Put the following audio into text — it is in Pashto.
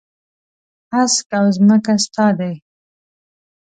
هسک او ځمکه ستا دي.